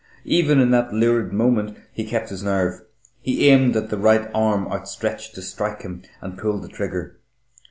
Even in that lurid moment he kept his nerve. He aimed at the right arm outstretched to strike him, and pulled the trigger.